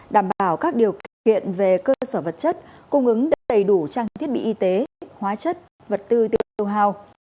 đảm bảo các điều kiện về cơ sở vật chất cung ứng đầy đủ trang thiết bị y tế hóa chất vật tư tiêu hao